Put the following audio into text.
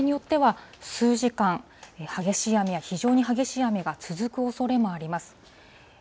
場合によっては、数時間、激しい雨や非常に激しい雨が続くおそれもあります。